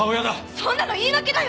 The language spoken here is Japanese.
そんなの言い訳だよ！